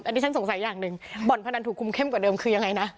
อันนี้ฉันสงสัยอย่างหนึ่งบ่อนพนันถูกคุมเข้มกว่าเดิมคือยังไงนะ